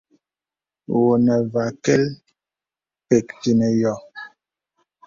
Wu nə və akə̀l, pək tənə yɔ̀.